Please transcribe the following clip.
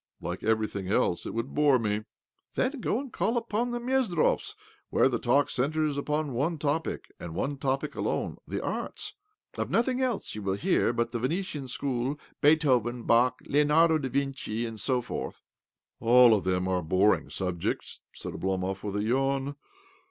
" Like everything else, it would bore me." " Then go and call upon the Mezdrovs, where the talk centres upon one topic, and one topic alone— the arts. Of nothing else will you hear but the Venetian School, Beethoven, Bach, Leonardo dA Vinci, and so forth." " All of them boring subjects !" said Oblomov with a yawn.